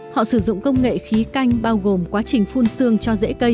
họ sử dụng công nghệ khí canh bao gồm quá trình phun xương cho dễ cây